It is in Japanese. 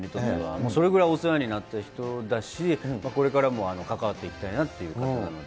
もう、それぐらいお世話になった人だし、これからも関わっていきたいなという方なので。